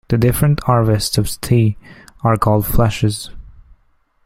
The different harvests of tea are called flushes.